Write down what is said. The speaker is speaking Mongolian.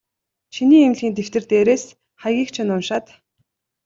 Чиний эмнэлгийн дэвтэр дээрээс хаягийг чинь уншаад.